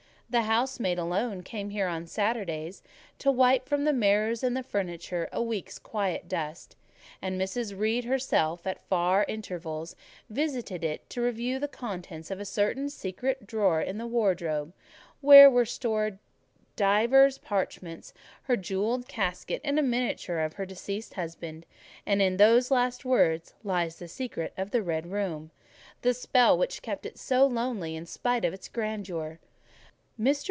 The house maid alone came here on Saturdays, to wipe from the mirrors and the furniture a week's quiet dust: and Mrs. Reed herself, at far intervals, visited it to review the contents of a certain secret drawer in the wardrobe, where were stored divers parchments, her jewel casket, and a miniature of her deceased husband; and in those last words lies the secret of the red room—the spell which kept it so lonely in spite of its grandeur. Mr.